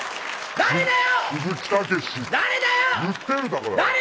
誰だよ。